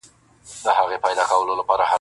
• رایې کړل څلور ښکلي زامن لکه لعلونه -